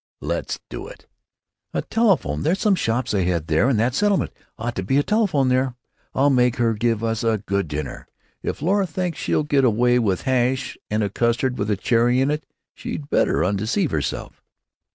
"Let's do it!" "A telephone! There's some shops ahead there, in that settlement. Ought to be a telephone there.... I'll make her give us a good dinner! If Laura thinks she'll get away with hash and a custard with a red cherry in it, she'd better undeceive herself."